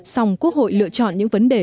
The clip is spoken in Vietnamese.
xong quốc hội lựa chọn những vấn đề